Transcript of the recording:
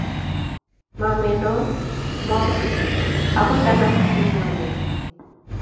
mameon moo akot anan imwa nee